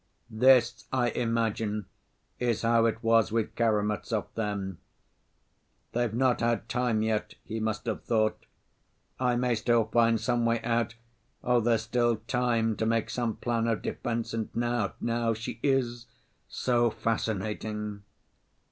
"This I imagine is how it was with Karamazov then. 'They've not had time yet,' he must have thought, 'I may still find some way out, oh, there's still time to make some plan of defense, and now, now—she is so fascinating!